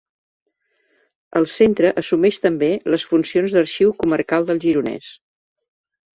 El centre assumeix també les funcions d’Arxiu Comarcal del Gironès.